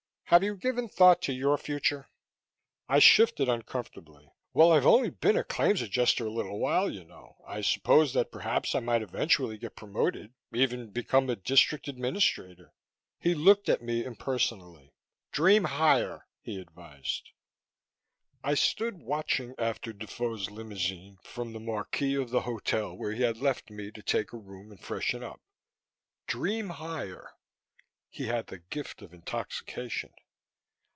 "Have you given thought to your future?" I shifted uncomfortably. "Well, I've only been a Claims Adjuster a little while, you know. I suppose that perhaps I might eventually get promoted, even become a District Administrator " He looked at me impersonally. "Dream higher," he advised. I stood watching after Defoe's limousine, from the marquee of the hotel where he had left me to take a room and freshen up. Dream higher. He had the gift of intoxication.